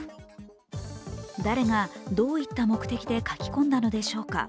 誰が、どういった目的で書き込んだのでしょうか。